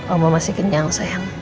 oma masih kenyang sayang